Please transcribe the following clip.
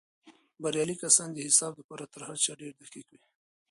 بريالي کسان د حساب دپاره تر هر چا ډېر دقیق وي.